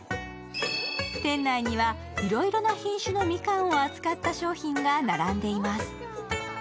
店内にはいろいろな品種のみかんを扱った商品が並んでいます。